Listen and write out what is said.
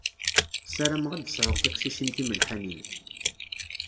Sarameɣ ad sɛuɣ tiqcicin timelḥanin.